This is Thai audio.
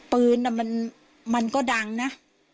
ปืนมันก็ดังนะ